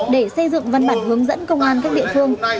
để xây dựng văn bản hướng dẫn công an các địa phương